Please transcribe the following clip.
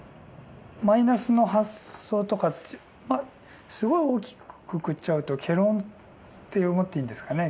マイナスの発想とかってすごい大きくくくっちゃうと「戯論」って思っていいんですかね